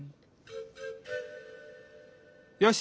よし！